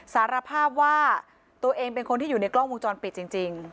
สารภาพว่าตัวเองเป็นคนที่อยู่ในกล้องวงจรปิดจริง